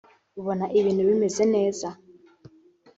ubona ibintu bimeze neza